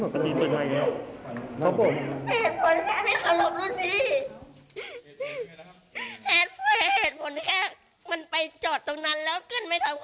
แค่ไหนยังถรับขอโทษ